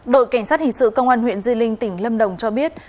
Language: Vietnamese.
đội cảnh sát hình sự công an huyện di linh tỉnh lâm đồng cho biết